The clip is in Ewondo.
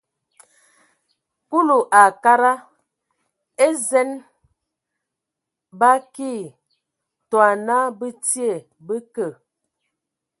Kulu a kadag e zen ba akii, tɔ ana bə tie, bə kə.